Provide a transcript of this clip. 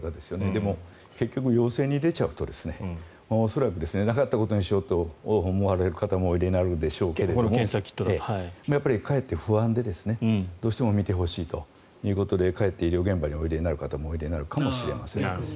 でも結局、陽性が出ちゃうと恐らくなかったことにしようと思われる方もおいでになるでしょうがやっぱり、かえって不安でどうしても診てほしいということでかえって医療現場においでになる方もいるかもしれません。